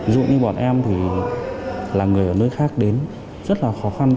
dụ như bọn em thì là người ở nơi khác đến rất là khó khăn